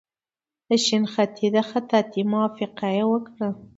د شنختې د خطاطۍ موافقه یې وکړه.